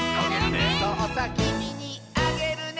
「そうさきみにあげるね」